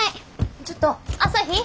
ちょっと朝陽！